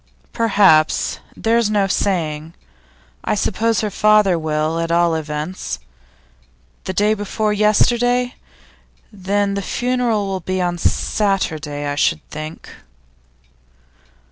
'Perhaps; there's no saying. I suppose her father will, at all events. The day before yesterday? Then the funeral will be on Saturday, I should think.